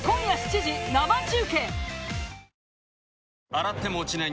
洗っても落ちない